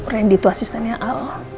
randy itu asistennya al